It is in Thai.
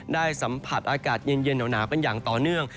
ได้สัมผัสอากาศเย็นหนาวกันอย่างต่อเนื่อง